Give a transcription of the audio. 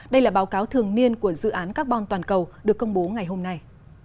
đây là báo cáo thường niên của dự án carbon toàn cầu được công bố ngày hôm nay